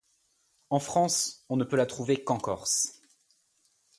En France, on ne peut la trouver qu'en Corse.